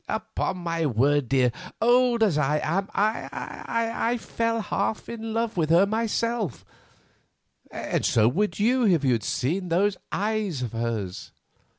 Upon my word, dear, old as I am, I fell half in love with her myself, and so would you if you had seen those eyes of hers."